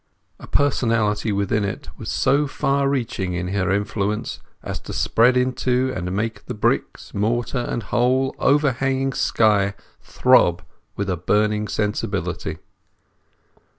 A personality within it was so far reaching in her influence as to spread into and make the bricks, mortar, and whole overhanging sky throb with a burning sensibility.